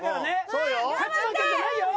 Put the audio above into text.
そうよ。